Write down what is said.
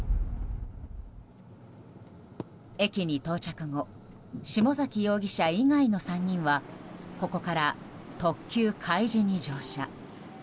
駅に到着後下崎容疑者以外の３人はここから特急「かいじ」に乗車。